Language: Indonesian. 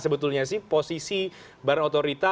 sebetulnya sih posisi badan otorita